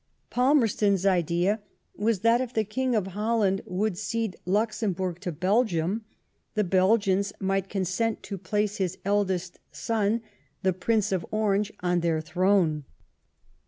Palmerston s idea 44 LIFE OF VISCOUNT FALMEB8T0N. was that if the King of Holland would oede Luxemborg to Belginniy the Belgians might consent to place his eldest son, the Prince of Orange, on their throne.